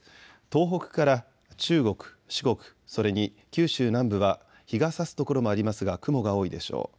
東北から中国、四国、それに九州南部は日がさす所もありますが雲が多いでしょう。